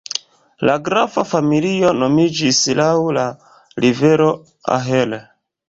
La grafa familio nomiĝis laŭ la rivero Ahr.